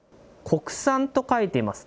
国産と書いています。